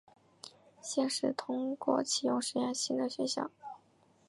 现时通过启用实验性的选项。